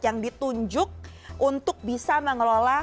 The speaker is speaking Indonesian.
yang ditunjuk untuk bisa mengelola